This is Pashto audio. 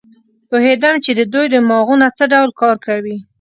پوهېدم چې د دوی دماغونه څه ډول کار کوي.